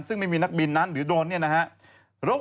ซึ่งไม่มีนักบินนั้นหรือโดนเนี่ยนะครับ